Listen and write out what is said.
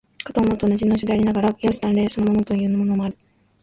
かと思うと、同じ能書でありながら、容姿端麗そのもののようなものもある。